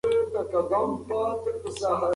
انا له خپلې چټکې غوسې څخه وېرېدلې وه.